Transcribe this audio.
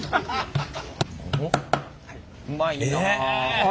うまいなあ。